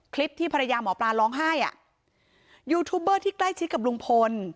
คลิปที่ภรรยาหมอปลาร้องไห้อ่ะยูทูบเบอร์ที่ใกล้ชิดกับลุงพล